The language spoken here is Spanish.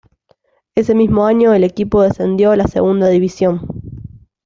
Ese mismo año, el equipo descendió a la segunda división.